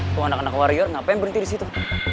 kalau anak anak warrior ngapain berhenti di situ